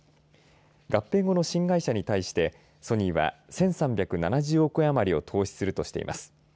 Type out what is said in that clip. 合併後の新会社に対してソニーは１３７０億円余りを投資するとしています。